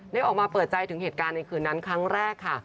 ออกมาเปิดใจถึงเหตุการณ์ในคืนนั้นครั้งแรกค่ะ